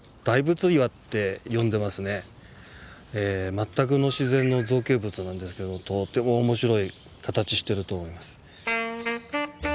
全くの自然の造形物なんですけどとても面白い形してると思います。